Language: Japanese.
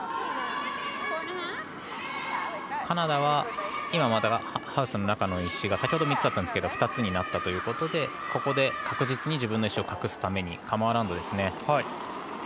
カナダは今また、ハウスの中の石が先ほど３つだったんですが２つになったということでここで確実に自分の石を隠すためカムアラウンドですね。